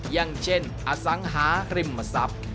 อย่างเช่นอสังหาริมทรัพย์